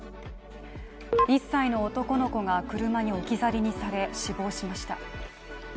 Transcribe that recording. １歳の男の子が車に置き去りにされ、死亡しました。